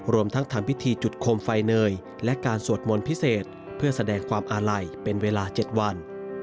รวมทั้งทำพิธีจุดโคมไฟเนยและการสวดมนต์พิเศษเพื่อแสดงความอาลัยเป็นเวลา๗วัน